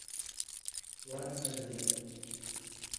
Wan nebiriye.